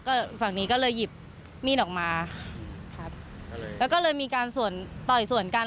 ก็ฝั่งนี้ก็เลยหยิบมีดออกมาครับแล้วก็เลยมีการส่วนต่อยส่วนกัน